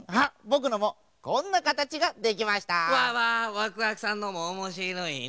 ワクワクさんのもおもしろいね。